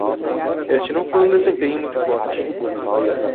Este não foi um desempenho muito forte.